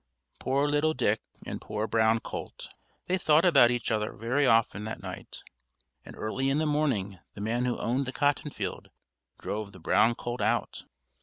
Poor little Dick! and poor brown colt! They thought about each other very often that night; and early in the morning the man who owned the cotton field, drove the brown colt out.